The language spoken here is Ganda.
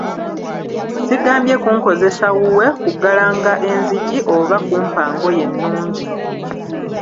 Sigambye kunkozesa wuwe kuggalanga enzigi oba kumpa ngoye nnungi.